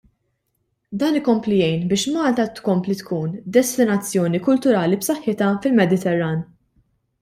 Dan ikompli jgħin biex Malta tkompli tkun destinazzjoni kulturali b'saħħitha fil-Mediterran.